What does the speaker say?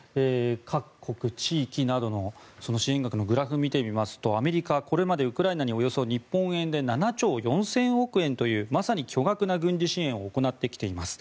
各国地域などの支援額のグラフ見てみますとアメリカこれまでウクライナにおよそ日本円で７兆４０００億円というまさに巨額な軍事支援を行ってきています。